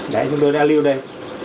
đấy chúng tôi đã lưu đây